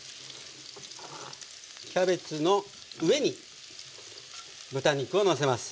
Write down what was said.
キャベツの上に豚肉をのせます。